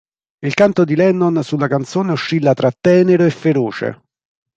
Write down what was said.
Il canto di Lennon sulla canzone oscilla tra tenero e feroce.